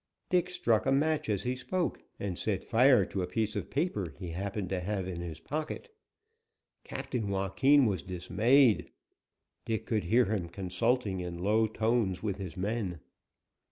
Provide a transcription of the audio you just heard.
Dick struck a match as he spoke, and set fire to a piece of paper he happened to have in his pocket. Captain Joaquin was dismayed. Dick could hear him consulting in low tones with his men.